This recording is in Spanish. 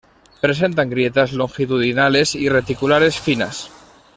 Presentan grietas longitudinales y reticulares finas.